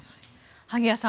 萩谷さん